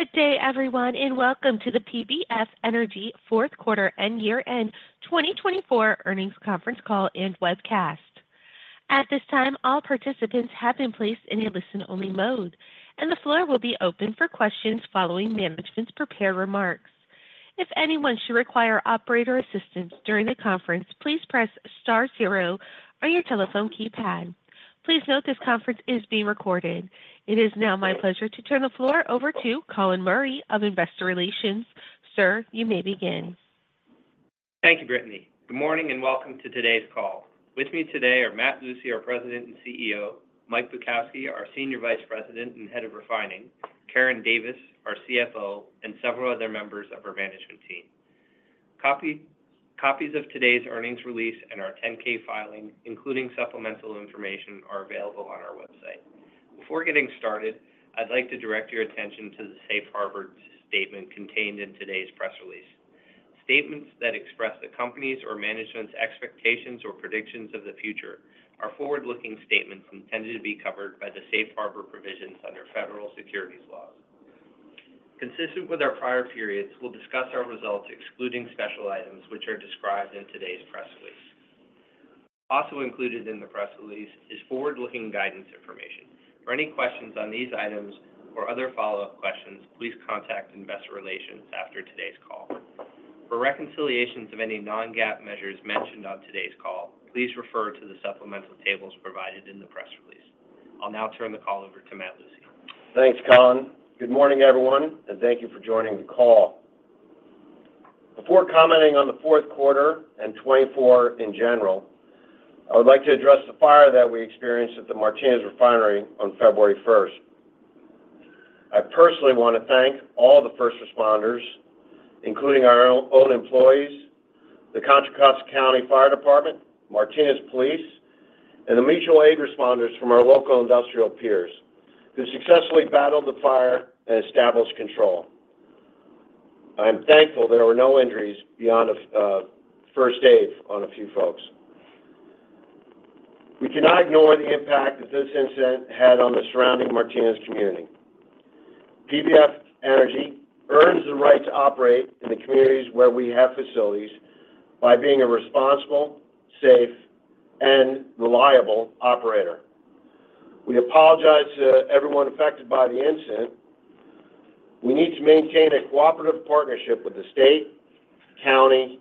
Good day, everyone, and welcome to the PBF Energy Q4 and Year End 2024 Earnings Conference Call and Webcast. At this time, all participants have been placed in a listen-only mode, and the floor will be open for questions following management's prepared remarks. If anyone should require operator assistance during the conference, please press star zero on your telephone keypad. Please note this conference is being recorded. It is now my pleasure to turn the floor over to Colin Murray of Investor Relations. Sir, you may begin. Thank you, Brittany. Good morning and welcome to today's call. With me today are Matt Lucey, our President and CEO; Mike Bukowski, our Senior Vice President and Head of Refining; Karen Davis, our CFO; and several other members of our management team. Copies of today's earnings release and our 10-K filing, including supplemental information, are available on our website. Before getting started, I'd like to direct your attention to the Safe Harbor Statement contained in today's press release. Statements that express the company's or management's expectations or predictions of the future are forward-looking statements intended to be covered by the Safe Harbor provisions under federal securities laws. Consistent with our prior periods, we'll discuss our results excluding special items, which are described in today's press release. Also included in the press release is forward-looking guidance information. For any questions on these items or other follow-up questions, please contact Investor Relations after today's call. For reconciliations of any non-GAAP measures mentioned on today's call, please refer to the supplemental tables provided in the press release. I'll now turn the call over to Matthew Lucey. Thanks, Colin. Good morning, everyone, and thank you for joining the call. Before commenting on the Q4 and 2024 in general, I would like to address the fire that we experienced at the Martinez Refinery on 1 February 2025. I personally want to thank all the first responders, including our own employees, the Contra Costa County Fire Protection District, Martinez Police Department, and the mutual aid responders from our local industrial peers who successfully battled the fire and established control. I am thankful there were no injuries beyond first aid on a few folks. We cannot ignore the impact that this incident had on the surrounding Martinez Community. PBF Energy earns the right to operate in the communities where we have facilities by being a responsible, safe, and reliable operator. We apologize to everyone affected by the incident. We need to maintain a cooperative partnership with the state, county,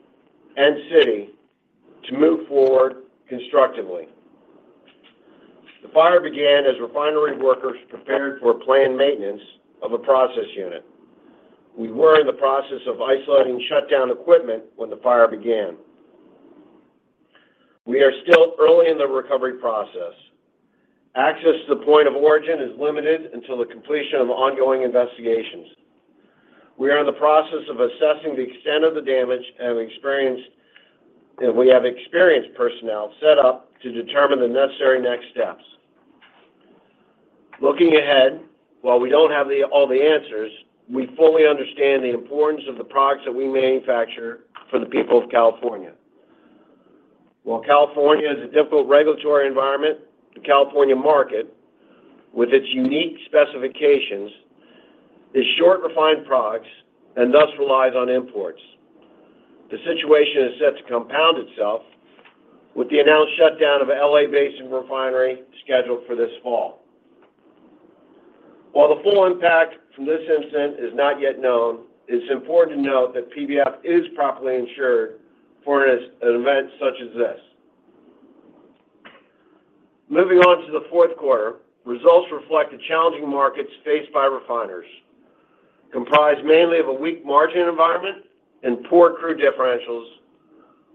and city to move forward constructively. The fire began as refinery workers prepared for planned maintenance of a process unit. We were in the process of isolating shutdown equipment when the fire began. We are still early in the recovery process. Access to the point of origin is limited until the completion of ongoing investigations. We are in the process of assessing the extent of the damage and we have experienced personnel set up to determine the necessary next steps. Looking ahead, while we don't have all the answers, we fully understand the importance of the products that we manufacture for the people of California. While California is a difficult regulatory environment, the California market, with its unique specifications, is short refined products and thus relies on imports. The situation is set to compound itself with the announced shutdown of an LA-based refinery scheduled for this fall. While the full impact from this incident is not yet known, it's important to note that PBF is properly insured for an event such as this. Moving on to the Q4, results reflect the challenging markets faced by refiners, comprised mainly of a weak margin environment and poor crude differentials,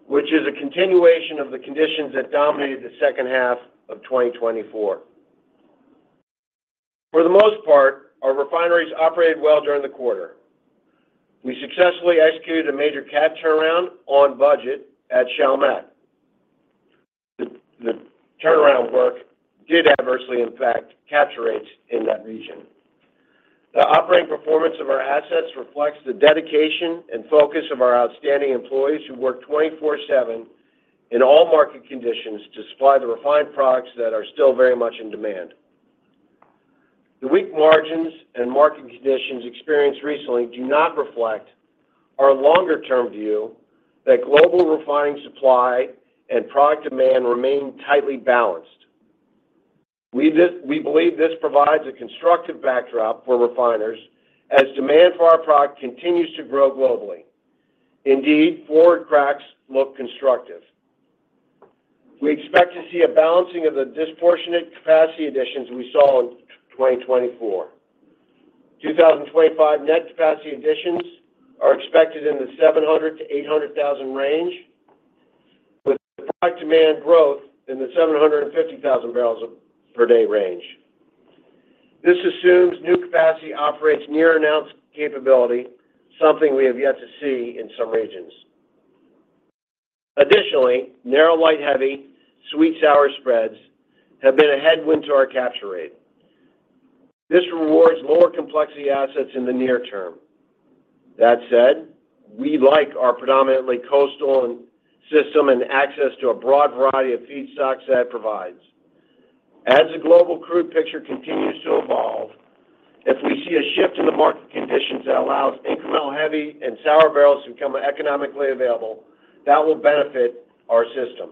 which is a continuation of the conditions that dominated the second half of 2024. For the most part, our refineries operated well during the quarter. We successfully executed a major CapEx turnaround on budget at Chalmette. The turnaround work did adversely impact capture rates in that region. The operating performance of our assets reflects the dedication and focus of our outstanding employees who work 24/7 in all market conditions to supply the refined products that are still very much in demand. The weak margins and market conditions experienced recently do not reflect our longer-term view that global refining supply and product demand remain tightly balanced. We believe this provides a constructive backdrop for refiners as demand for our product continues to grow globally. Indeed, forward cracks look constructive. We expect to see a balancing of the disproportionate capacity additions we saw in 2024. 2025 net capacity additions are expected in the 700,000 to 800,000 range, with product demand growth in the 750,000 barrels per day range. This assumes new capacity operates near announced capability, something we have yet to see in some regions. Additionally, narrow light-heavy sweet-sour spreads have been a headwind to our capture rate. This rewards lower complexity assets in the near term. That said, we like our predominantly coastal system and access to a broad variety of feedstocks that it provides. As the global crude picture continues to evolve, if we see a shift in the market conditions that allows incremental heavy and sour barrels to become economically available, that will benefit our system.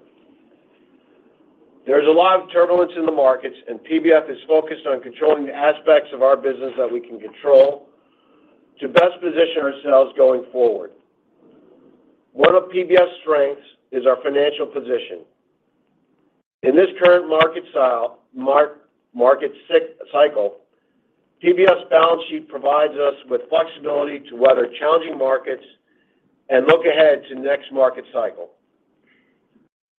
There is a lot of turbulence in the markets, and PBF is focused on controlling the aspects of our business that we can control to best position ourselves going forward. One of PBF's strengths is our financial position. In this current market cycle, PBF's balance sheet provides us with flexibility to weather challenging markets and look ahead to the next market cycle.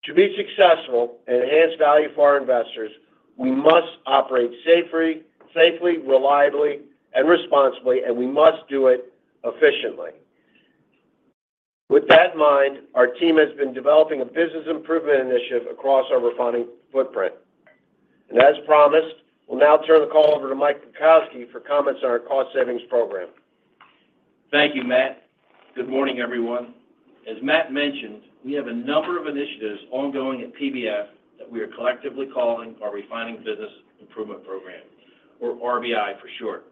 To be successful and enhance value for our investors, we must operate safely, reliably, and responsibly, and we must do it efficiently. With that in mind, our team has been developing a business improvement initiative across our refining footprint. And as promised, we'll now turn the call over to Mike Bukowski for comments on our cost savings program. Thank you, Matt. Good morning, everyone. As Matt mentioned, we have a number of initiatives ongoing at PBF that we are collectively calling our Refining Business Improvement program, or RBI for short.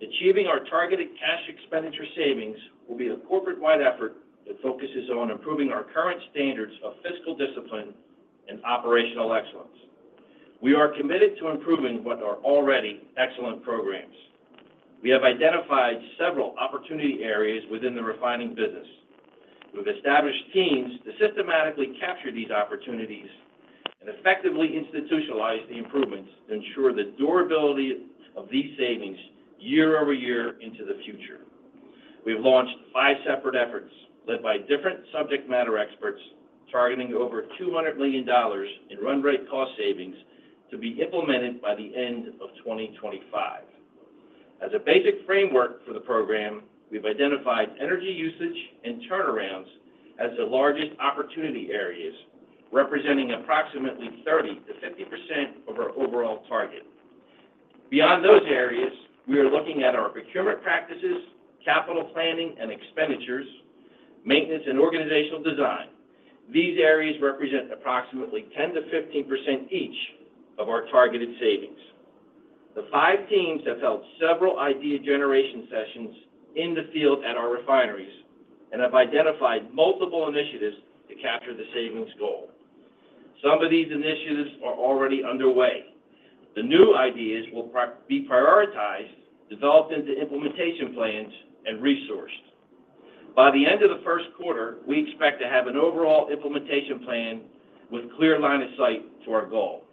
Achieving our targeted cash expenditure savings will be a corporate-wide effort that focuses on improving our current standards of fiscal discipline and operational excellence. We are committed to improving what are already excellent programs. We have identified several opportunity areas within the refining business. We've established teams to systematically capture these opportunities and effectively institutionalize the improvements to ensure the durability of these savings year over year into the future. We've launched five separate efforts led by different subject matter experts targeting over $200 million in run rate cost savings to be implemented by the end of 2025. As a basic framework for the program, we've identified energy usage and turnarounds as the largest opportunity areas, representing approximately 30% to 50% of our overall target. Beyond those areas, we are looking at our procurement practices, capital planning, and expenditures, maintenance, and organizational design. These areas represent approximately 10% to 15% each of our targeted savings. The five teams have held several idea generation sessions in the field at our refineries and have identified multiple initiatives to capture the savings goal. Some of these initiatives are already underway. The new ideas will be prioritized, developed into implementation plans, and resourced. By the end of the Q1, we expect to have an overall implementation plan with a clear line of sight to our goal.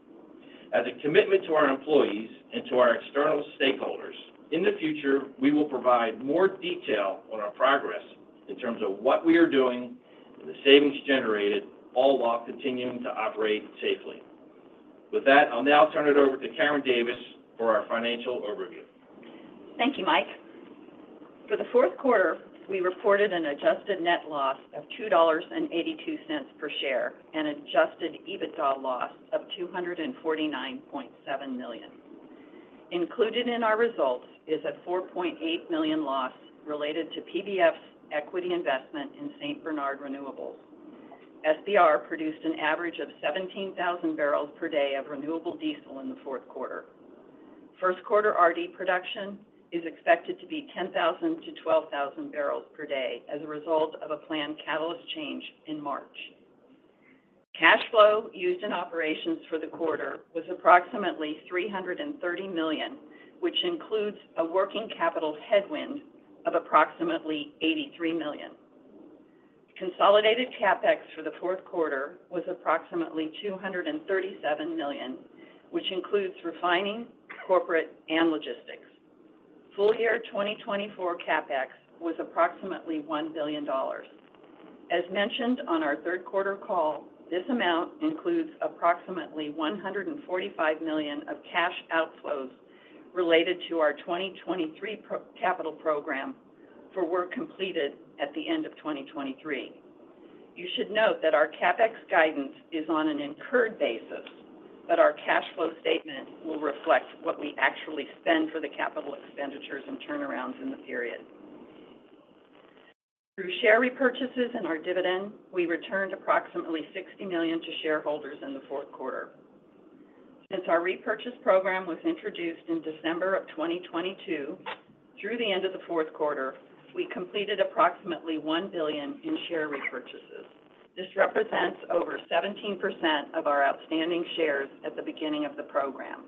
As a commitment to our employees and to our external stakeholders, in the future, we will provide more detail on our progress in terms of what we are doing and the savings generated, all while continuing to operate safely. With that, I'll now turn it over to Karen Davis for our financial overview. Thank you, Mike. For the Q4, we reported an adjusted net loss of $2.82 per share and adjusted EBITDA loss of $249.7 million. Included in our results is a $4.8 million loss related to PBF's equity investment in St. Bernard Renewables. SBR produced an average of 17,000 barrels per day of renewable diesel in the Q4. Q1 RD production is expected to be 10,000 to 12,000 barrels per day as a result of a planned catalyst change in March. Cash flow used in operations for the quarter was approximately $330 million, which includes a working capital headwind of approximately $83 million. Consolidated CapEx for the Q4 was approximately $237 million, which includes refining, corporate, and logistics. Full year 2024 CapEx was approximately $1 billion. As mentioned on our Q3 call, this amount includes approximately $145 million of cash outflows related to our 2023 capital program for work completed at the end of 2023. You should note that our CapEx guidance is on an incurred basis, but our cash flow statement will reflect what we actually spend for the capital expenditures and turnarounds in the period. Through share repurchases and our dividend, we returned approximately $60 million to shareholders in the Q4. Since our repurchase program was introduced in December of 2022, through the end of the Q4, we completed approximately $1 billion in share repurchases. This represents over 17% of our outstanding shares at the beginning of the program.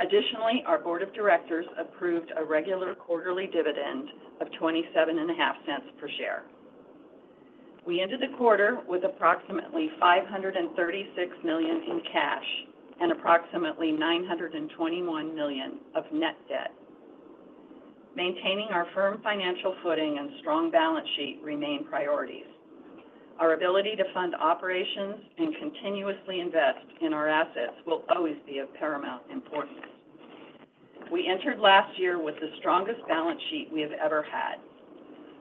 Additionally, our board of directors approved a regular quarterly dividend of $0.275 per share. We ended the quarter with approximately $536 million in cash and approximately $921 million of net debt. Maintaining our firm financial footing and strong balance sheet remain priorities. Our ability to fund operations and continuously invest in our assets will always be of paramount importance. We entered last year with the strongest balance sheet we have ever had.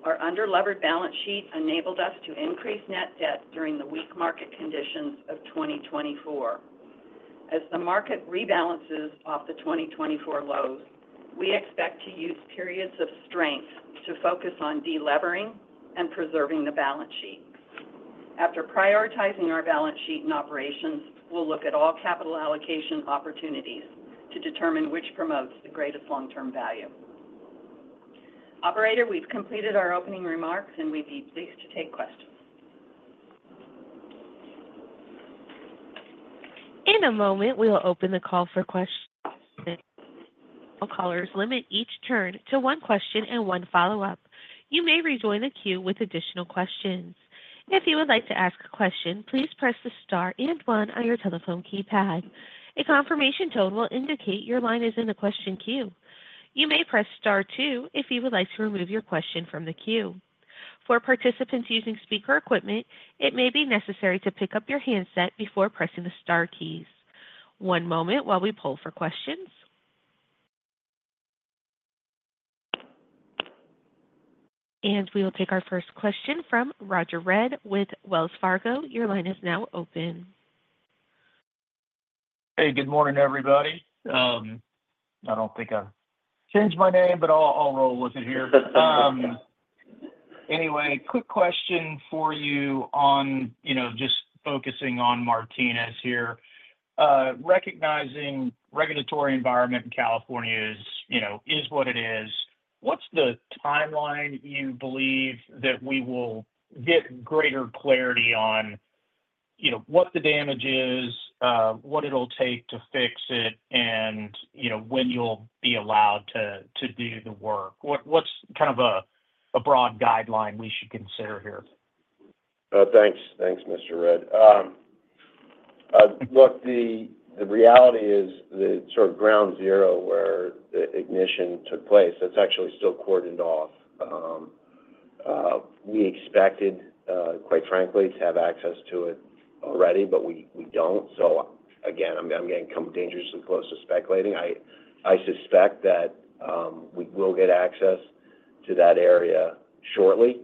Our under-levered balance sheet enabled us to increase net debt during the weak market conditions of 2024. As the market rebalances off the 2024 lows, we expect to use periods of strength to focus on deleveraging and preserving the balance sheet. After prioritizing our balance sheet and operations, we'll look at all capital allocation opportunities to determine which promotes the greatest long-term value. Operator, we've completed our opening remarks, and we'd be pleased to take questions. In a moment, we'll open the call for questions. Callers limit each turn to one question and one follow-up. You may rejoin the queue with additional questions. If you would like to ask a question, please press the star and one on your telephone keypad. A confirmation tone will indicate your line is in the question queue. You may press star two if you would like to remove your question from the queue. For participants using speaker equipment, it may be necessary to pick up your handset before pressing the star keys. One moment while we pull for questions. And we will take our first question from Roger Read with Wells Fargo. Your line is now open. Hey, good morning, everybody. I don't think I changed my name, but I'll roll with it here. Anyway, quick question for you on just focusing on Martinez here. Recognizing the regulatory environment in California is what it is, what's the timeline you believe that we will get greater clarity on what the damage is, what it'll take to fix it, and when you'll be allowed to do the work? What's kind of a broad guideline we should consider here? Thanks, Mr. Read. Look, the reality is the sort of ground zero where the ignition took place. That's actually still cordoned off. We expected, quite frankly, to have access to it already, but we don't. So again, I'm getting dangerously close to speculating. I suspect that we will get access to that area shortly.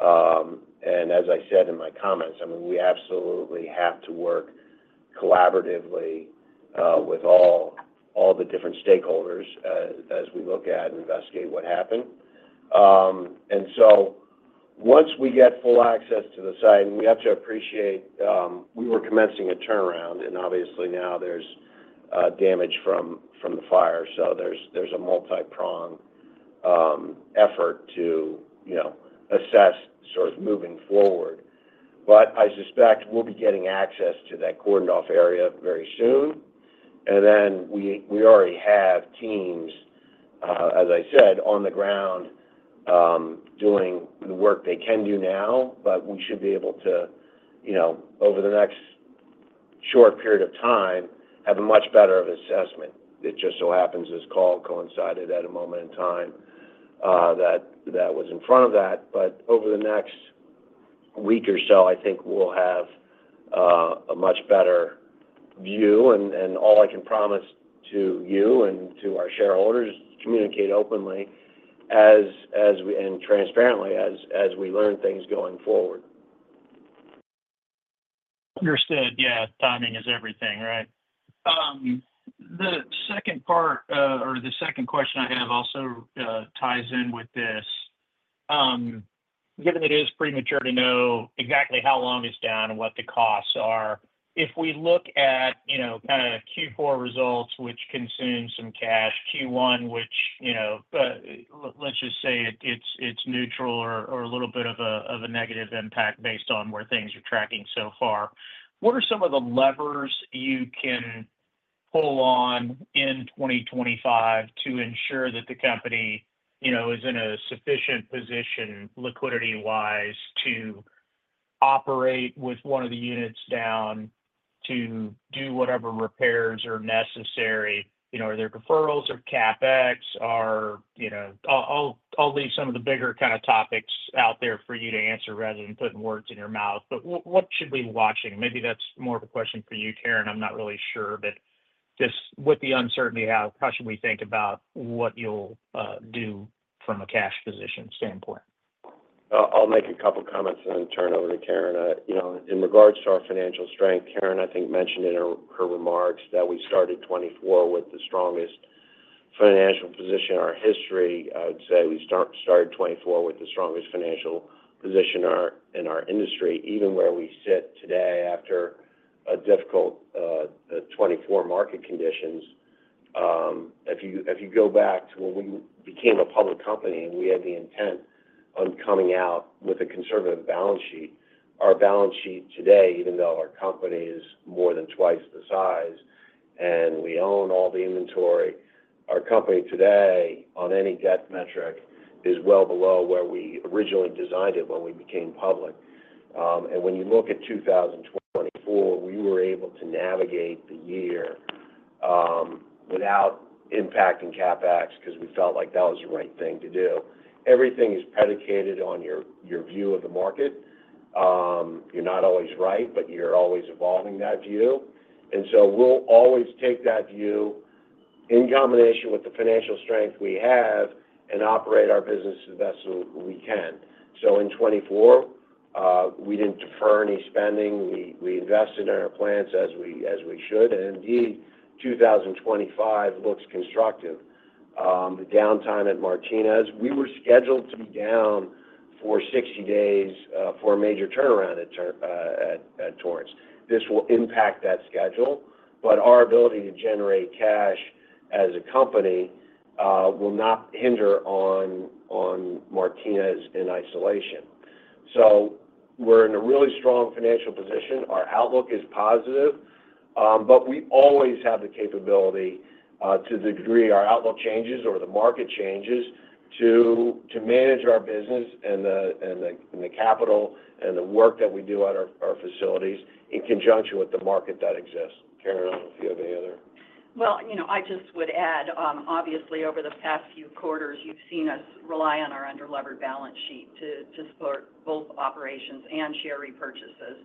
And as I said in my comments, I mean, we absolutely have to work collaboratively with all the different stakeholders as we look at and investigate what happened. And so once we get full access to the site, and we have to appreciate we were commencing a turnaround, and obviously now there's damage from the fire, so there's a multi-pronged effort to assess sort of moving forward. But I suspect we'll be getting access to that cordoned-off area very soon. And then we already have teams, as I said, on the ground doing the work they can do now, but we should be able to, over the next short period of time, have a much better assessment. It just so happens this call coincided at a moment in time that was in front of that. But over the next week or so, I think we'll have a much better view. And all I can promise to you and to our shareholders is to communicate openly and transparently as we learn things going forward. Understood. Yeah. Timing is everything, right? The second part or the second question I have also ties in with this. Given that it is premature to know exactly how long it's down and what the costs are, if we look at kind of Q4 results, which consumed some cash, Q1, which let's just say it's neutral or a little bit of a negative impact based on where things are tracking so far, what are some of the levers you can pull on in 2025 to ensure that the company is in a sufficient position liquidity-wise to operate with one of the units down to do whatever repairs are necessary? Are there deferrals or CapEx? I'll leave some of the bigger kind of topics out there for you to answer rather than putting words in your mouth. But what should we be watching? Maybe that's more of a question for you, Karen. I'm not really sure. But just with the uncertainty out, how should we think about what you'll do from a cash position standpoint? I'll make a couple of comments and then turn it over to Karen. In regards to our financial strength, Karen, I think, mentioned in her remarks that we started 2024 with the strongest financial position in our history. I would say we started 2024 with the strongest financial position in our industry, even where we sit today after difficult 2024 market conditions. If you go back to when we became a public company, we had the intent on coming out with a conservative balance sheet. Our balance sheet today, even though our company is more than twice the size and we own all the inventory, our company today, on any debt metric, is well below where we originally designed it when we became public. When you look at 2024, we were able to navigate the year without impacting CapEx because we felt like that was the right thing to do. Everything is predicated on your view of the market. You're not always right, but you're always evolving that view. And so we'll always take that view in combination with the financial strength we have and operate our business as best as we can. So in 2024, we didn't defer any spending. We invested in our plans as we should. And indeed, 2025 looks constructive. Downtime at Martinez. We were scheduled to be down for 60 days for a major turnaround at Torrance. This will impact that schedule, but our ability to generate cash as a company will not hinge on Martinez in isolation. So we're in a really strong financial position. Our outlook is positive, but we always have the capability, to the degree our outlook changes or the market changes, to manage our business and the capital and the work that we do at our facilities in conjunction with the market that exists. Karen, if you have any other? I just would add, obviously, over the past few quarters, you've seen us rely on our under-leveraged balance sheet to support both operations and share repurchases.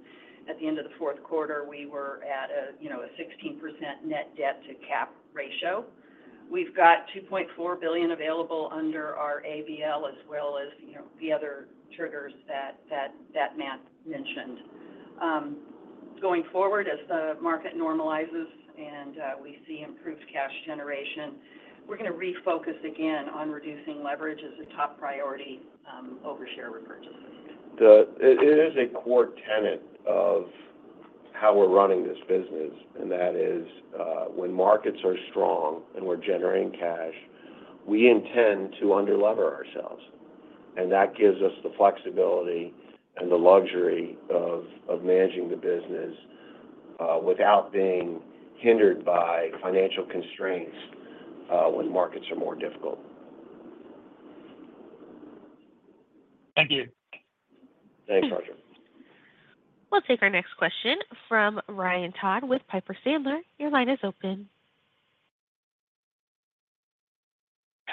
At the end of the Q4, we were at a 16% net debt-to-cap ratio. We've got $2.4 billion available under our ABL as well as the other triggers that Matt mentioned. Going forward, as the market normalizes and we see improved cash generation, we're going to refocus again on reducing leverage as a top priority over share repurchases. It is a core tenet of how we're running this business, and that is when markets are strong and we're generating cash, we intend to under-lever ourselves, and that gives us the flexibility and the luxury of managing the business without being hindered by financial constraints when markets are more difficult. Thank you. Thanks, Roger. We'll take our next question from Ryan Todd with Piper Sandler. Your line is open.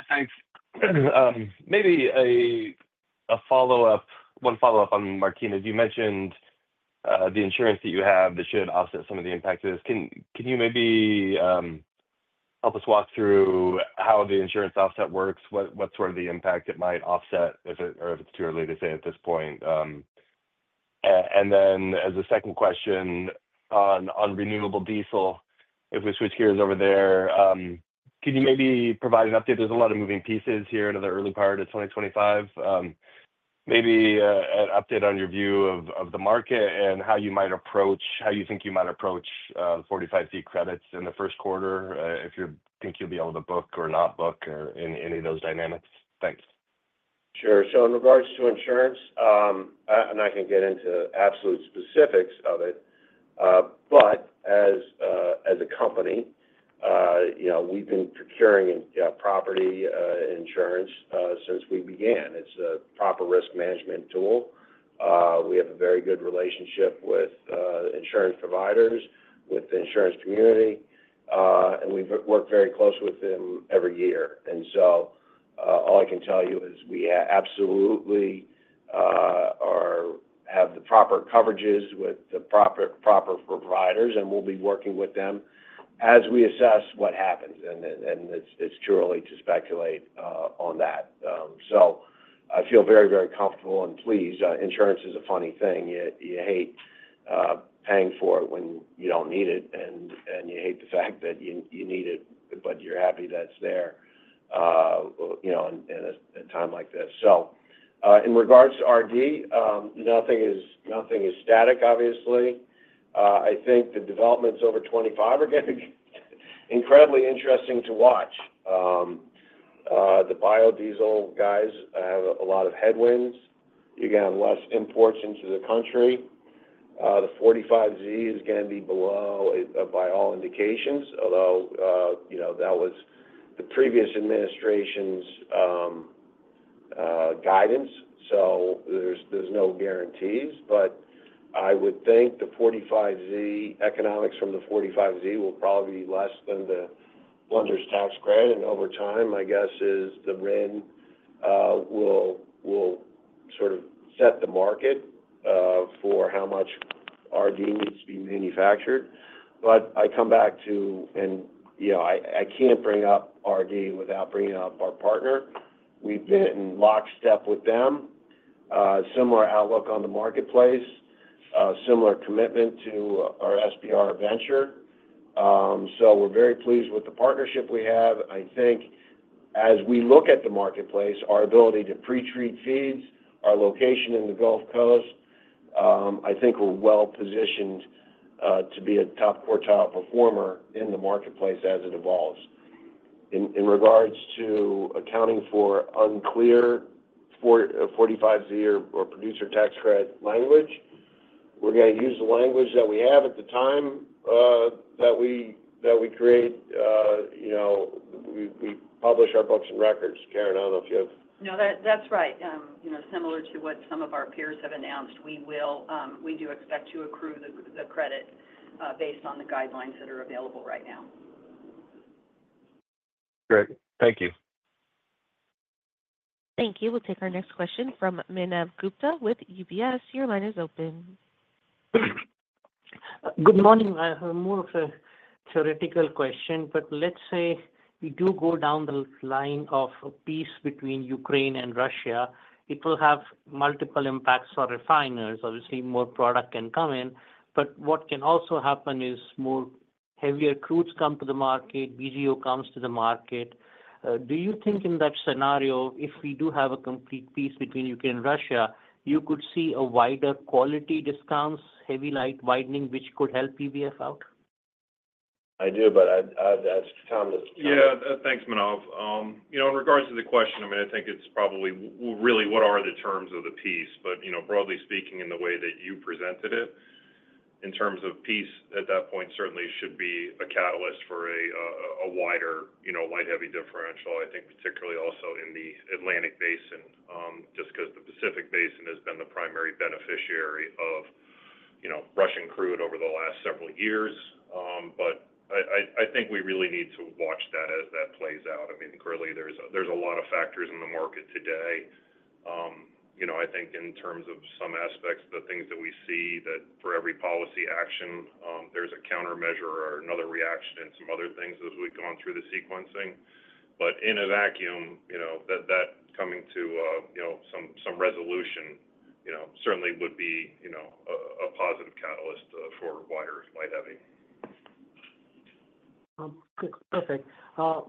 Thanks. Maybe one follow-up on Martinez. You mentioned the insurance that you have that should offset some of the impact of this. Can you maybe help us walk through how the insurance offset works? What sort of impact it might offset or if it's too early to say at this point? And then as a second question on renewable diesel, if we switch gears over there, can you maybe provide an update? There's a lot of moving pieces here into the early part of 2025. Maybe an update on your view of the market and how you might approach, how you think you might approach 45Z credits in the Q1 if you think you'll be able to book or not book in any of those dynamics. Thanks. Sure. So in regards to insurance, and I can get into absolute specifics of it, but as a company, we've been procuring property insurance since we began. It's a proper risk management tool. We have a very good relationship with insurance providers, with the insurance community, and we've worked very closely with them every year, and so all I can tell you is we absolutely have the proper coverages with the proper providers, and we'll be working with them as we assess what happens, and it's purely to speculate on that, so I feel very, very comfortable and pleased. Insurance is a funny thing. You hate paying for it when you don't need it, and you hate the fact that you need it, but you're happy that it's there in a time like this, so in regards to RD, nothing is static, obviously. I think the developments over 2025 are going to be incredibly interesting to watch. The biodiesel guys have a lot of headwinds. You're going to have less imports into the country. The 45Z is going to be below by all indications, although that was the previous administration's guidance. So there's no guarantees. But I would think the 45Z economics from the 45Z will probably be less than the blender's tax credit. And over time, my guess is the RIN will sort of set the market for how much RD needs to be manufactured. But I come back to, and I can't bring up RD without bringing up our partner. We've been lockstep with them. Similar outlook on the marketplace, similar commitment to our SBR venture. So, we're very pleased with the partnership we have. `I think as we look at the marketplace, our ability to pre-treat feeds, our location in the Gulf Coast, I think we're well positioned to be a top-quartile performer in the marketplace as it evolves. In regards to accounting for unclear 45Z or producer tax credit language, we're going to use the language that we have at the time that we create. We publish our books and records. Karen, I don't know if you have. No, that's right. Similar to what some of our peers have announced, we do expect to accrue the credit based on the guidelines that are available right now. Great. Thank you. Thank you. We'll take our next question from Manav Gupta with UBS. Your line is open. Good morning. I have more of a theoretical question, but let's say we do go down the line of peace between Ukraine and Russia. It will have multiple impacts for refiners. Obviously, more product can come in. But what can also happen is more heavier crudes come to the market. VGO comes to the market. Do you think in that scenario, if we do have a complete peace between Ukraine and Russia, you could see wider quality discounts, heavy light widening, which could help PBF out? I do, but that's Tom. Yeah. Thanks, Manav. In regards to the question, I mean, I think it's probably really what are the terms of the peace? But broadly speaking, in the way that you presented it, in terms of peace at that point, certainly should be a catalyst for a wider light heavy differential, I think, particularly also in the Atlantic Basin, just because the Pacific Basin has been the primary beneficiary of Russian crude over the last several years. But I think we really need to watch that as that plays out. I mean, clearly, there's a lot of factors in the market today. I think in terms of some aspects, the things that we see that for every policy action, there's a countermeasure or another reaction and some other things as we've gone through the sequencing. But in a vacuum, that coming to some resolution certainly would be a positive catalyst for wider light heavy. Perfect.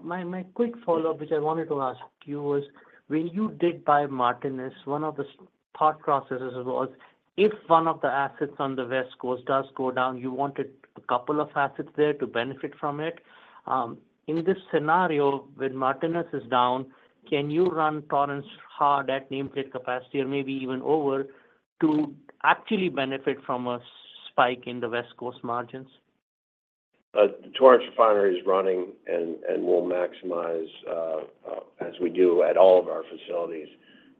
My quick follow-up, which I wanted to ask you was, when you did buy Martinez, one of the thought processes was if one of the assets on the West Coast does go down, you wanted a couple of assets there to benefit from it. In this scenario, when Martinez is down, can you run Torrance hard at nameplate capacity or maybe even over to actually benefit from a spike in the West Coast margins? Torrance Refinery is running and will maximize as we do at all of our facilities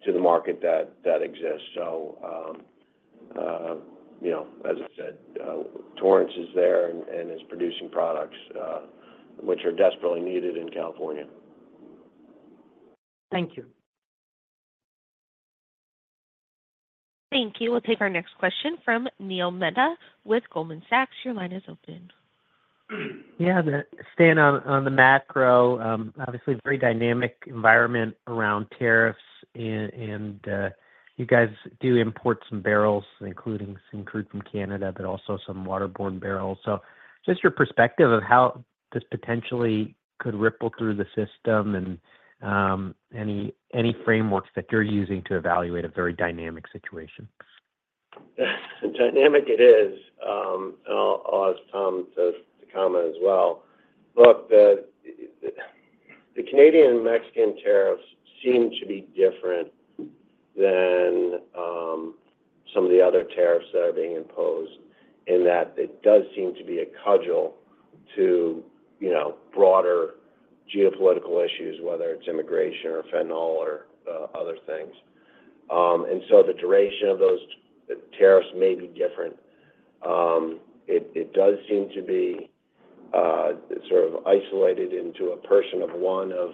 to the market that exists, so as I said, Torrance is there and is producing products which are desperately needed in California. Thank you. Thank you. We'll take our next question from Neil Mehta with Goldman Sachs. Your line is open. Yeah. Staying on the macro, obviously very dynamic environment around tariffs. And you guys do import some barrels, including some crude from Canada, but also some waterborne barrels. So just your perspective of how this potentially could ripple through the system and any frameworks that you're using to evaluate a very dynamic situation? Dynamic it is. I'll ask Tom to comment as well. Look, the Canadian and Mexican tariffs seem to be different than some of the other tariffs that are being imposed in that it does seem to be a cudgel to broader geopolitical issues, whether it's immigration or fentanyl or other things. And so the duration of those tariffs may be different. It does seem to be sort of isolated into a person of one of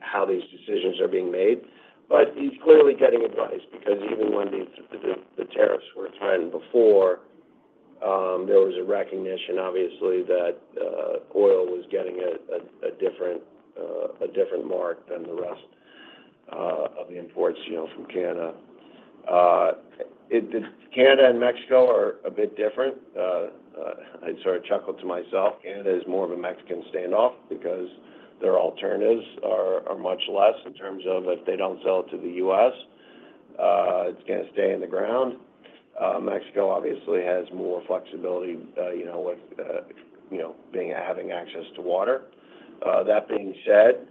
how these decisions are being made. But he's clearly getting advice because even when the tariffs were threatened before, there was a recognition, obviously, that oil was getting a different mark than the rest of the imports from Canada. Canada and Mexico are a bit different. I sort of chuckled to myself. Canada is more of a Mexican standoff because their alternatives are much less in terms of if they don't sell it to the U.S., it's going to stay in the ground. Mexico obviously has more flexibility with having access to water. That being said,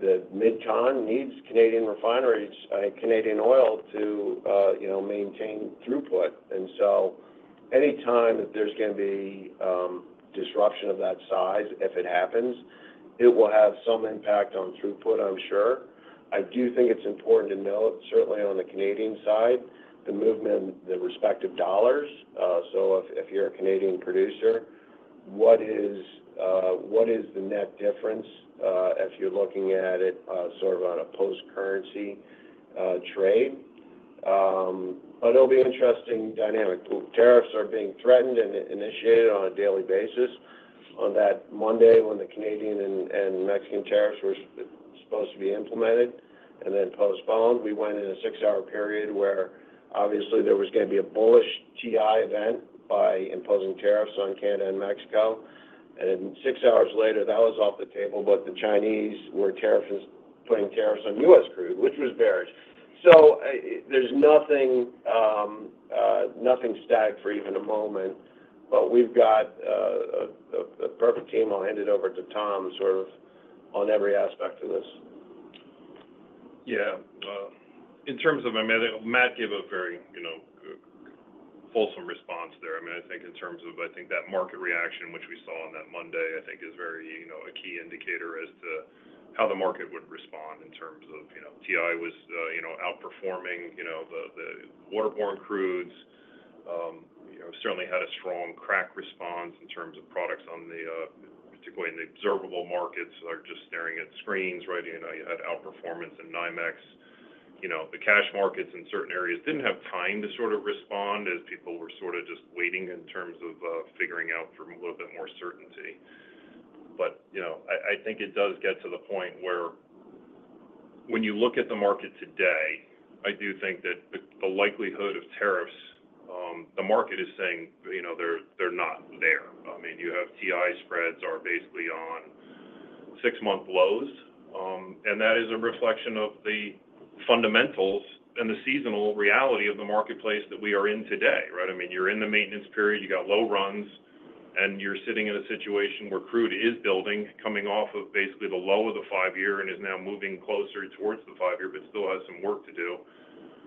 the Midwest needs Canadian refineries, Canadian oil to maintain throughput. And so anytime that there's going to be disruption of that size, if it happens, it will have some impact on throughput, I'm sure. I do think it's important to note, certainly on the Canadian side, the movement, the respective dollars. So if you're a Canadian producer, what is the net difference if you're looking at it sort of on a post-currency trade? But it'll be an interesting dynamic. Tariffs are being threatened and initiated on a daily basis. On that Monday when the Canadian and Mexican tariffs were supposed to be implemented and then postponed, we went in a six-hour period where obviously there was going to be a bullish WTI event by imposing tariffs on Canada and Mexico, and six hours later, that was off the table, but the Chinese were putting tariffs on U.S. crude, which was bearish, so there's nothing static for even a moment, but we've got a perfect team. I'll hand it over to Tom sort of on every aspect of this. Yeah. In terms of, I mean, Matt gave a very fulsome response there. I mean, I think in terms of, I think that market reaction which we saw on that Monday, I think is very a key indicator as to how the market would respond in terms of WTI was outperforming the waterborne crudes. Certainly had a strong crack response in terms of products on the particularly in the observable markets are just staring at screens, right? You had outperformance in NYMEX. The cash markets in certain areas didn't have time to sort of respond as people were sort of just waiting in terms of figuring out for a little bit more certainty. But I think it does get to the point where when you look at the market today, I do think that the likelihood of tariffs, the market is saying they're not there. I mean, you have TI spreads are basically on six-month lows, and that is a reflection of the fundamentals and the seasonal reality of the marketplace that we are in today, right? I mean, you're in the maintenance period, you got low runs, and you're sitting in a situation where crude is building—coming off of basically the low of the five-year and is now moving closer towards the five-year, but still has some work to do,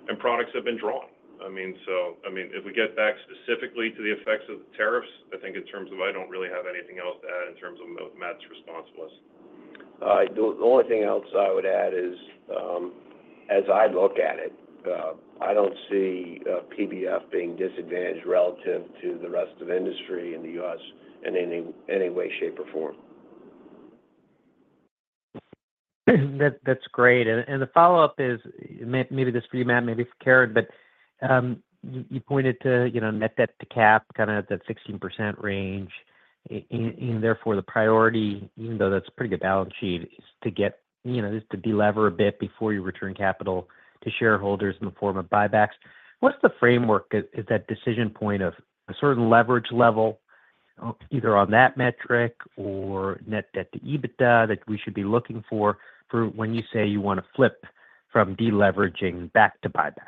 and products have been drawn. I mean, so I mean, if we get back specifically to the effects of the tariffs, I think in terms of I don't really have anything else to add in terms of what Matt's response was. The only thing else I would add is as I look at it, I don't see PBF being disadvantaged relative to the rest of industry in the U.S. in any way, shape, or form. That's great. And the follow-up is maybe this for you, Matt, maybe for Karen, but you pointed to net debt to cap kind of at that 16% range, and therefore the priority, even though that's a pretty good balance sheet—is to delever a bit before you return capital to shareholders in the form of buybacks. What's the framework at that decision point of a certain leverage level, either on that metric or net debt-to-EBITDA that we should be looking for when you say you want to flip from deleveraging back to buybacks?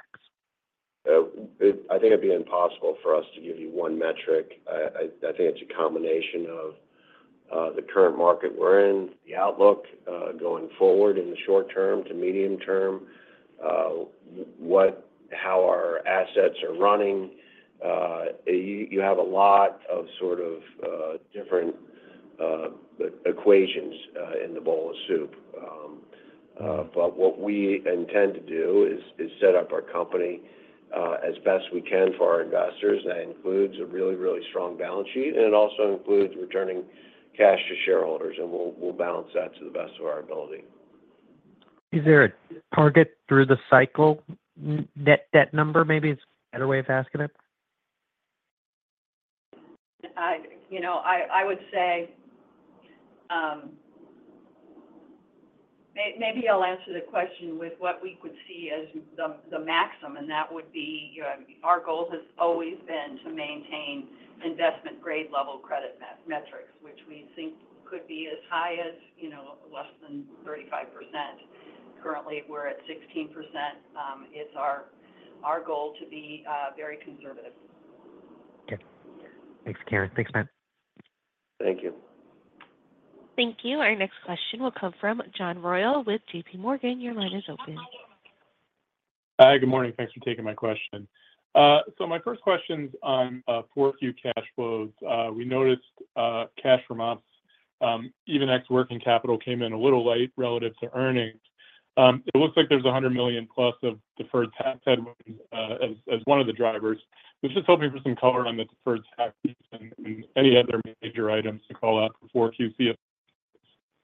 I think it'd be impossible for us to give you one metric. I think it's a combination of the current market we're in, the outlook going forward in the short term to medium term, how our assets are running. You have a lot of sort of different equations in the "bowl of soup". But what we intend to do is set up our company as best we can for our investors. That includes a really, really strong balance sheet, and it also includes returning cash to shareholders, and we'll balance that to the best of our ability. Is there a target through-the-cycle net debt number? Maybe is a better way of asking it? I would say maybe I'll answer the question with what we could see as the maximum, and that would be our goal has always been to maintain investment-grade level credit metrics, which we think could be as high as less than 35%. Currently, we're at 16%. It's our goal to be very conservative. Okay. Thanks, Karen. Thanks, Matt. Thank you. Thank you. Our next question will come from John Royall with J.P. Morgan. Your line is open. Hi, good morning. Thanks for taking my question. So my first question's on forward-view cash flows. We noticed cash from ops, even ex working capital came in a little late relative to earnings. It looks like there's $100 million plus of deferred tax headwinds as one of the drivers. I was just hoping for some color on the deferred taxes and any other major items to call out before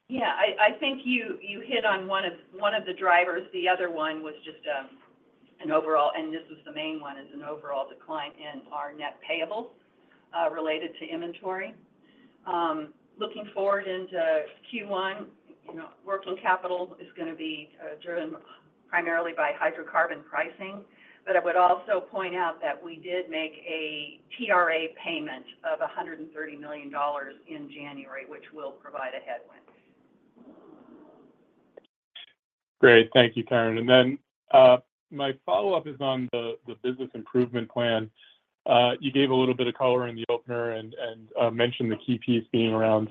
Q2's. Yeah. I think you hit on one of the drivers. The other one was just an overall, and this was the main one, is an overall decline in our net payables related to inventory. Looking forward into Q1, working capital is going to be driven primarily by hydrocarbon pricing. But I would also point out that we did make a TRA payment of $130 million in January, which will provide a headwind. Great. Thank you, Karen. And then my follow-up is on the business improvement plan. You gave a little bit of color in the opener and mentioned the key piece being around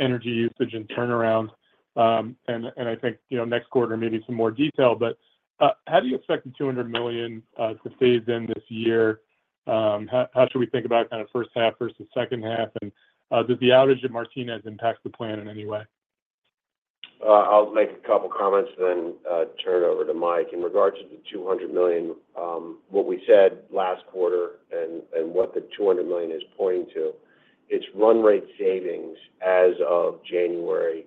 energy usage and turnaround. And I think next quarter, maybe some more detail. But how do you expect the $200 million to phase in this year? How should we think about kind of first half versus second half? And does the outage at Martinez impact the plan in any way? I'll make a couple of comments and then turn it over to Mike. In regards to the $200 million, what we said last quarter and what the $200 million is pointing to, it's run rate savings as of 1 January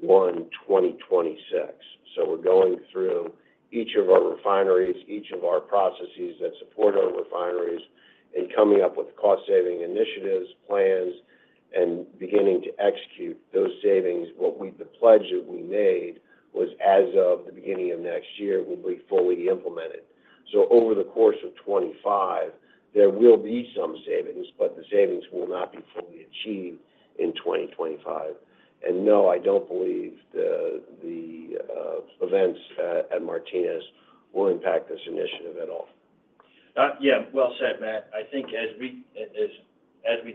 2026. So, we're going through each of our refineries, each of our processes that support our refineries, and coming up with cost-saving initiatives, plans, and beginning to execute those savings. The pledge that we made was as of the beginning of next year will be fully implemented. So, over the course of 2025, there will be some savings, but the savings will not be fully achieved in 2025. And no, I don't believe the events at Martinez will impact this initiative at all. Yeah. Well said, Matt. I think as we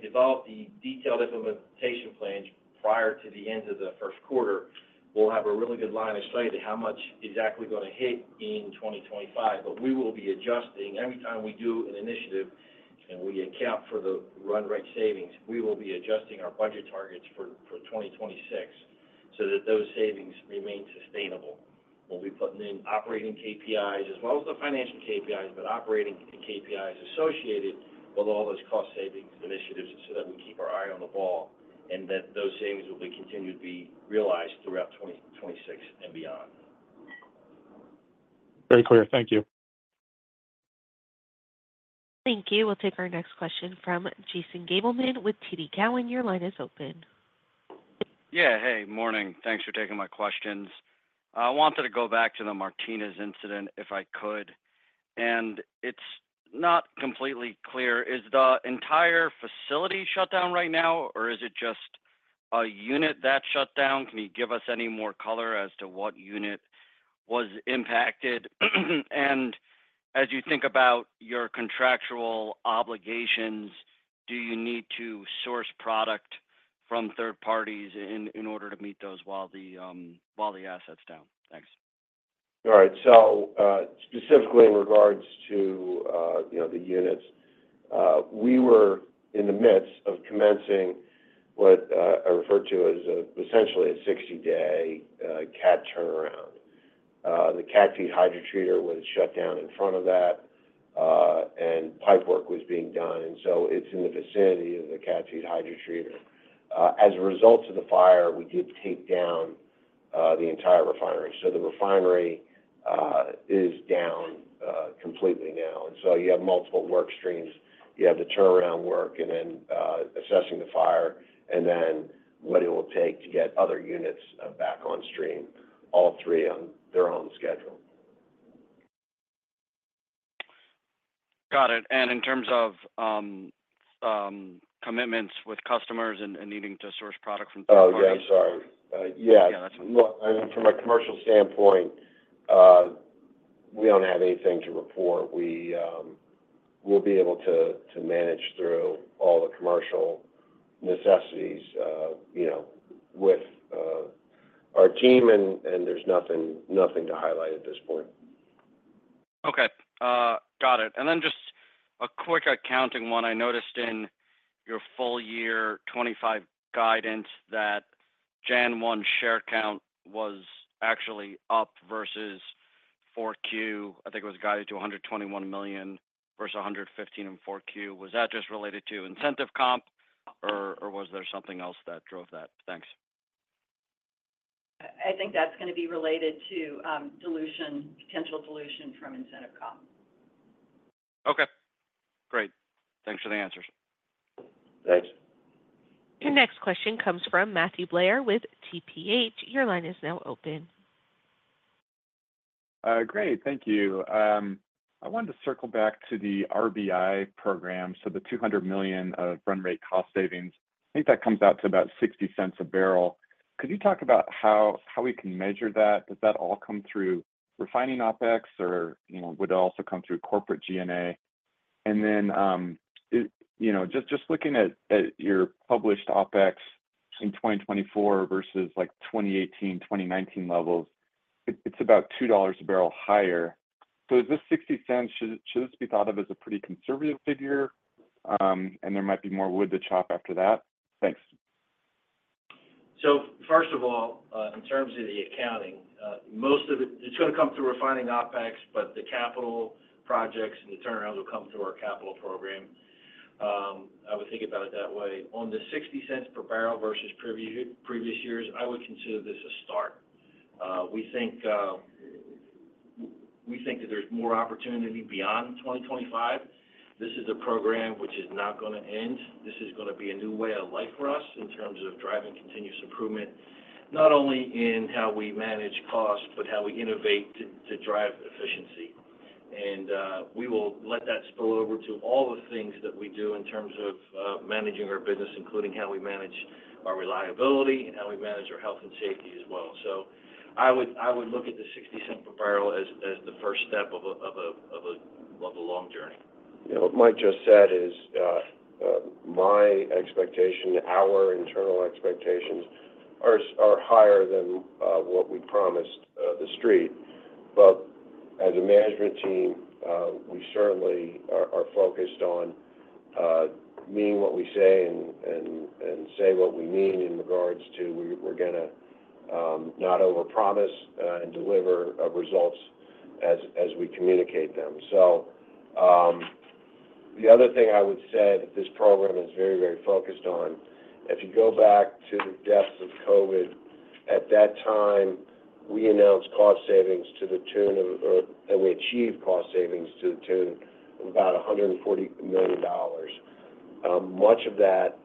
develop the detailed implementation plans prior to the end of the Q1, we'll have a really good line of sight of how much exactly we're going to hit in 2025. But we will be adjusting every time we do an initiative and we account for the run rate savings. We will be adjusting our budget targets for 2026 so that those savings remain sustainable. We'll be putting in operating KPIs as well as the financial KPIs, but operating KPIs associated with all those cost-savings initiatives so that we keep our eye on the ball and that those savings will continue to be realized throughout 2026 and beyond. Very clear. Thank you. Thank you. We'll take our next question from Jason Gabelman with TD Cowen. Your line is open. Yeah. Hey, morning. Thanks for taking my questions. I wanted to go back to the Martinez incident if I could. And it's not completely clear. Is the entire facility shut down right now, or is it just a unit that shut down? Can you give us any more color as to what unit was impacted? And as you think about your contractual obligations, do you need to source product from third parties in order to meet those while the asset's down? Thanks. All right. So specifically in regards to the units, we were in the midst of commencing what I refer to as essentially a 60-day cat turnaround. The Cat Feed Hydrotreater was shut down in front of that, and pipework was being done. And so it's in the vicinity of the Cat Feed Hydrotreater. As a result of the fire, we did take down the entire refinery. So the refinery is down completely now. And so you have multiple work streams. You have the turnaround work and then assessing the fire and then what it will take to get other units back on stream, all three on their own schedule. Got it. And in terms of commitments with customers and needing to source product from third parties? Oh, yeah. I'm sorry. Yeah. Yeah. That's fine. I mean, from a commercial standpoint, we don't have anything to report. We'll be able to manage through all the commercial necessities with our team, and there's nothing to highlight at this point. Okay. Got it. And then just a quick accounting one. I noticed in your full year 2025 guidance that 1 January 2025 share count was actually up versus Q4. I think it was guided to $121 million versus 115 million in Q4. Was that just related to incentive comp, or was there something else that drove that? Thanks. I think that's going to be related to potential dilution from incentive comp. Okay. Great. Thanks for the answers. Thanks. Your next question comes from Matthew Blair with TPH. Your line is now open. Great. Thank you. I wanted to circle back to the RBI program. So the $200 million of run-rate cost savings, I think that comes out to about $0.60 a barrel. Could you talk about how we can measure that? Does that all come through refining OPEX, or would it also come through corporate G&A? And then just looking at your published OPEX in 2024 versus 2018, 2019 levels, it's about $2 a barrel higher. So, is this $0.60 should this be thought of as a pretty conservative figure, and there might be more wood to chop after that? Thanks. So first of all, in terms of the accounting, most of it, it's going to come through refining OPEX, but the capital projects and the turnarounds will come through our capital program. I would think about it that way. On the $0.60 per barrel versus previous years, I would consider this a start. We think that there's more opportunity beyond 2025. This is a program which is not going to end. This is going to be a new way of life for us in terms of driving continuous improvement, not only in how we manage costs, but how we innovate to drive efficiency. And we will let that spill over to all the things that we do in terms of managing our business, including how we manage our reliability and how we manage our health and safety as well. I would look at the $0.60 per barrel as the first step of a long journey. What Mike just said is my expectation. Our internal expectations are higher than what we promised the street. But as a management team, we certainly are focused on meaning what we say and say what we mean in regards to we're going to not overpromise and deliver results as we communicate them. So, the other thing I would say that this program is very, very focused on. If you go back to the depths of COVID, at that time, we announced cost savings to the tune of, or we achieved cost savings to the tune of about $140 million. Much of that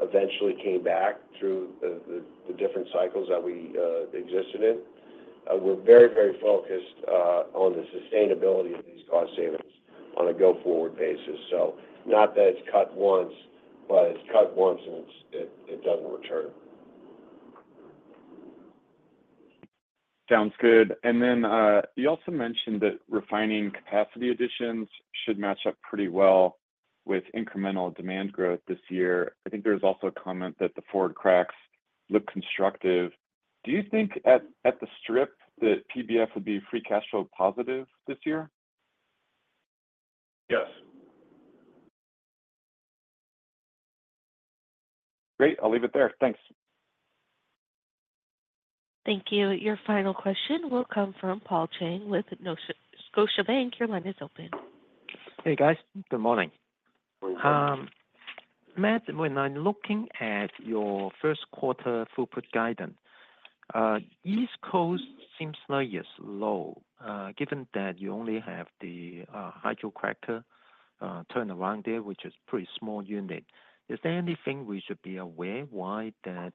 eventually came back through the different cycles that we existed in. We're very, very focused on the sustainability of these cost savings on a go-forward basis. So not that it's cut once, but it's cut once and it doesn't return. Sounds good. And then you also mentioned that refining capacity additions should match up pretty well with incremental demand growth this year. I think there was also a comment that the forward cracks look constructive. Do you think at the strip that PBF would be free cash flow positive this year? Yes. Great. I'll leave it there. Thanks. Thank you. Your final question will come from Paul Cheng with Scotiabank. Your line is open. Hey, guys. Good morning. Matt, when I'm looking at your Q1 throughput guidance, East Coast seems low yet low. Given that you only have the hydrocracker turnaround there, which is a pretty small unit, is there anything we should be aware why the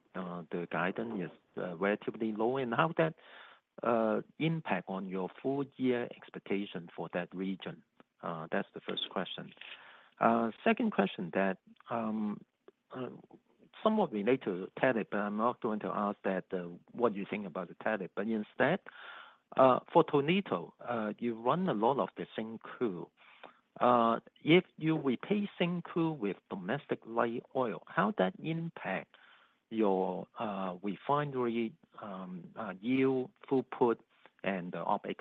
guidance is relatively low and how that impacts on your full year expectation for that region? That's the first question. Second question that's somewhat related to Syncrude, but I'm not going to ask that what you think about the Syncrude. But instead, for Toledo, you run a lot of the Syncrude. If you replace Syncrude with domestic light oil, how does that impact your refinery yield, throughput, and OPEX?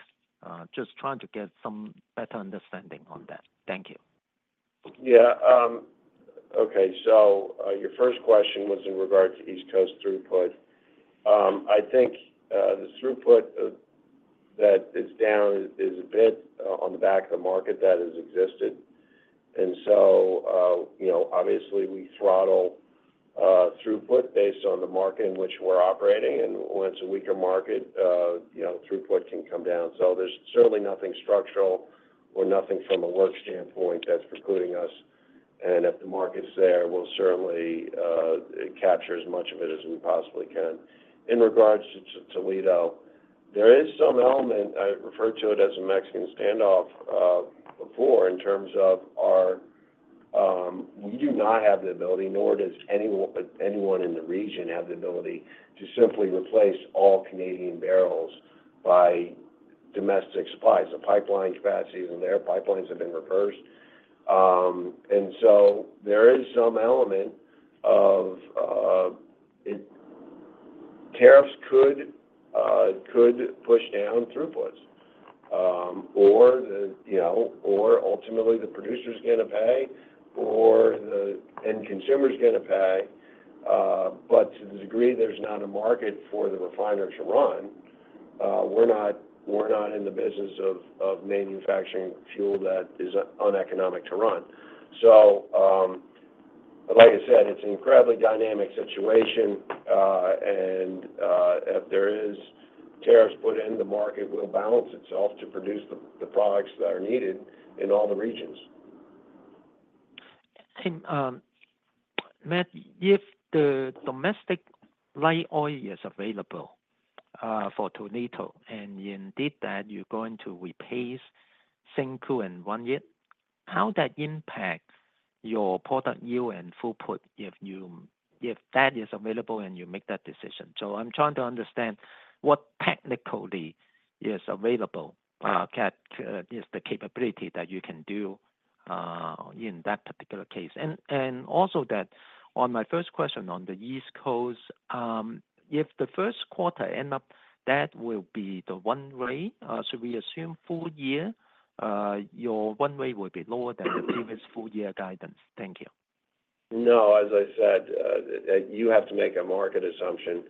Just trying to get some better understanding on that. Thank you. Yeah. Okay. So your first question was in regard to East Coast throughput. I think the throughput that is down is a bit on the back of the market that has existed. And so obviously, we throttle throughput based on the market in which we're operating. And when it's a weaker market, throughput can come down. So there's certainly nothing structural or nothing from a work standpoint that's precluding us. And if the market's there, we'll certainly capture as much of it as we possibly can. In regards to Toledo, there is some element. I referred to it as a Mexican standoff before in terms of how we do not have the ability, nor does anyone in the region have the ability to simply replace all Canadian barrels by domestic supplies. The pipeline capacity is in there. Pipelines have been reversed. And so there is some element of tariffs could push down throughputs, or ultimately, the producer's going to pay, and consumer's going to pay. But to the degree there's not a market for the refinery to run, we're not in the business of manufacturing fuel that is uneconomic to run. So like I said, it's an incredibly dynamic situation. And if there is tariffs put in, the market will balance itself to produce the products that are needed in all the regions. Matt, if the domestic light oil is available for Toledo and you did that, you're going to replace Syncrude and run it. How that impacts your product yield and throughput if that is available and you make that decision? So I'm trying to understand what technically is available, the capability that you can do in that particular case. And also, that on my first question on the East Coast, if the Q1 ends up, that will be the run rate. So, we assume full-year, your run rate will be lower than the previous full-year guidance. Thank you. No. As I said, you have to make a market assumption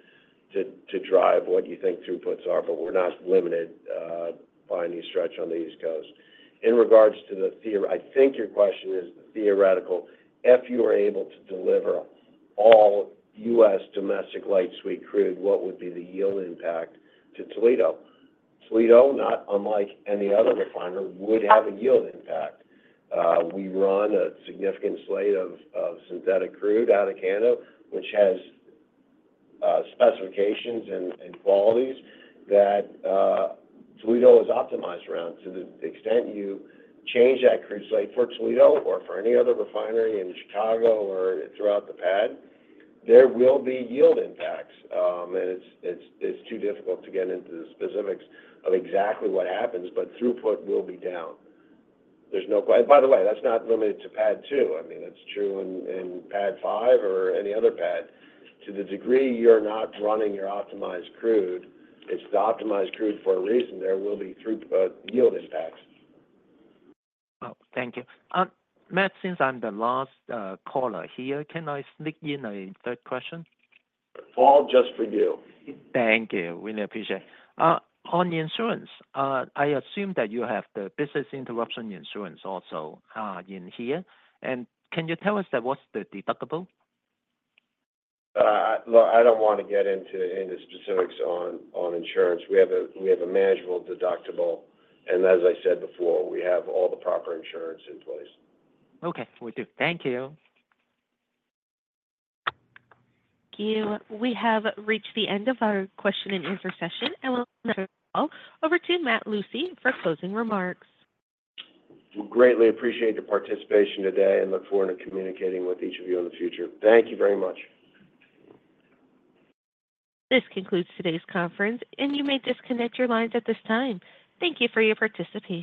to drive what you think throughputs are, but we're not limited by any stretch on the East Coast. In regards to the theory, I think your question is the theoretical. If you were able to deliver all U.S. domestic light sweet crude, what would be the yield impact to Toledo? Toledo, not unlike any other refiner, would have a yield impact. We run a significant slate of synthetic crude out of Canada, which has specifications and qualities that Toledo is optimized around. To the extent you change that crude slate for Toledo or for any other refinery in Chicago or throughout the PADD, there will be yield impacts. It's too difficult to get into the specifics of exactly what happens, but throughput will be down. By the way, that's not limited to PADD 2. I mean, that's true in PADD 5 or any other PADD. To the degree you're not running your optimized crude, it's the optimized crude for a reason. There will be yield impacts. Oh, thank you. Matt, since I'm the last caller here, can I sneak in a third question? Paul, just for you. Thank you. Really appreciate it. On the insurance, I assume that you have the business interruption insurance also in here. And can you tell us what's the deductible? Look, I don't want to get into specifics on insurance. We have a manageable deductible, and as I said before, we have all the proper insurance in place. Okay. Will do. Thank you. Thank you. We have reached the end of our question-and-answer session. I will now turn it all over to Matt Lucey for closing remarks. Greatly appreciate your participation today and look forward to communicating with each of you in the future. Thank you very much. This concludes today's conference, and you may disconnect your lines at this time. Thank you for your participation.